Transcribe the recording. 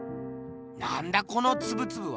なんだこのつぶつぶは。